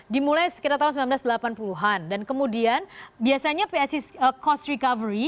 dimulai sekitar tahun seribu sembilan ratus delapan puluh an dan kemudian biasanya psis cost recovery